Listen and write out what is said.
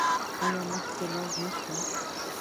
آیا مخکې لاړ نشو؟